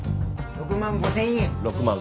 ６万５０００円。